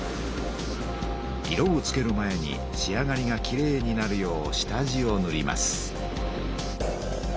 色をつける前に仕上がりがきれいになるよう下地をぬります。